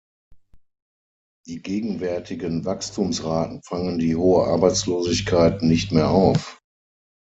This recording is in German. Die gegenwärtigen Wachstumsraten fangen die hohe Arbeitslosigkeit nicht mehr auf.